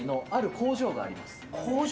工場？